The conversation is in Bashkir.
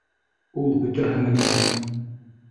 Ул бөтәһе менән